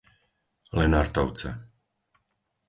Lenartovce